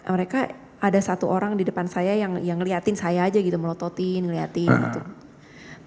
mereka ada satu orang di depan saya yang ngeliatin saya aja gitu melototin ngeliatin gitu